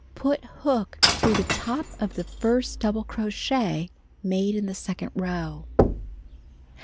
Put hook through the top of the first double crochet made in the second row.